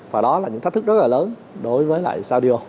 và đó là những thách thức rất là lớn đối với lại saudio